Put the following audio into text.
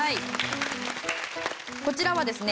こちらはですね